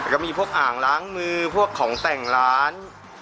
ก็มีพวกอ่างล้างมือพวกของแต่งร้าน